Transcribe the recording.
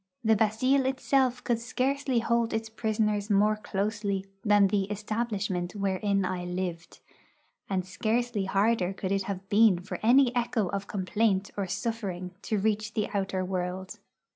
The Bastille itself could scarcely hold its prisoners more closely than the 'establishment' wherein I lived; and scarcely harder could it have been for any echo of complaint or suffering to reach the outer world.